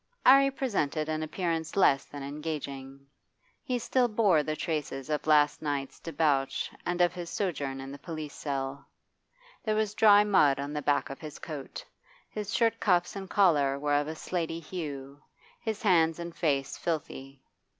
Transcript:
'Arry presented an appearance less than engaging. He still bore the traces of last night's debauch and of his sojourn in the police cell. There was dry mud on the back of his coat, his shirt cuffs and collar were of a slaty hue, his hands and face filthy.